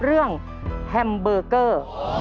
เรื่องแฮมเบอร์เกอร์